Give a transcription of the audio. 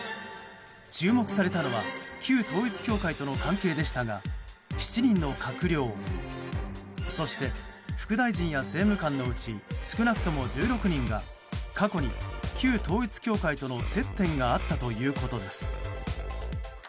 注目されたのは旧統一教会との関係でしたが７人の閣僚、そして副大臣や政務官のうち少なくとも１６人が過去に旧統一教会との接点があったということです。